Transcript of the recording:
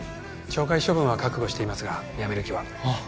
懲戒処分は覚悟していますが辞める気は。